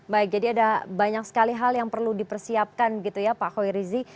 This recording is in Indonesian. baik jadi ada banyak sekali hal yang perlu dipersiapkan gitu ya pak khoirizi